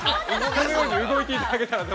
◆このように動いていただけたら。